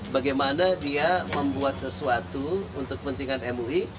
bagaimana dia membuat sesuatu untuk pentingan mui